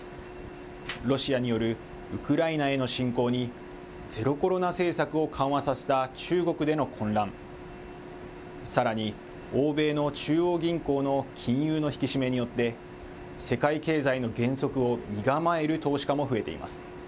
ロシアによるウクライナへの侵攻に、ゼロコロナ政策を緩和させた中国での混乱、さらに欧米の中央銀行の金融の引き締めによって世界経済の減速を身構える投資家も増えています。